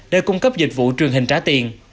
để cung cấp dịch vụ truyền hình trả tiền